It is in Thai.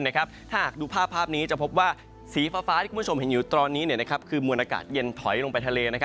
ถ้าหากดูภาพนี้จะพบว่าสีฟ้าที่คุณผู้ชมเห็นอยู่ตอนนี้คือมวลอากาศเย็นถอยลงไปทะเล